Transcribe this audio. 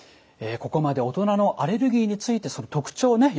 ここまで大人のアレルギーについてその特徴よく分かりました。